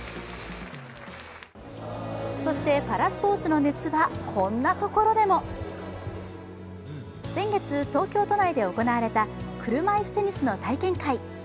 そしてパラスポーツの熱はこんなところでも先月、東京都内で行われた車いすテニスの体験会。